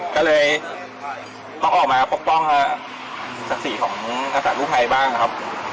ก็เลยต้องออกมาปกป้องศักดิ์ศรีของอาสากู้ภัยบ้างครับ